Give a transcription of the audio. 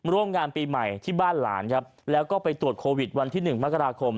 ร่วมงานปีใหม่ที่บ้านหลานครับแล้วก็ไปตรวจโควิดวันที่๑มกราคม